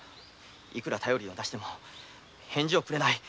いくら便りを出しても返事をくれない。